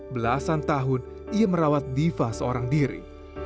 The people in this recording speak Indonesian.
belasan tahun ia merawat diva seorang diri